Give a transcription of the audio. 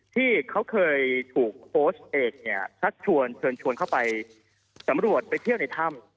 ที่เขาเคยถูกโค้ชเอกเนี่ยชักชวนเชิญชวนเข้าไปสำรวจไปเที่ยวในถ้ำ